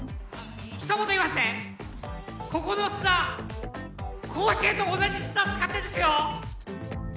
一言言わせてここの砂甲子園と同じ砂使ってんですよ！